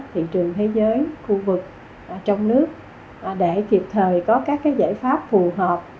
thị trường thế giới khu vực trong nước để kịp thời có các giải pháp phù hợp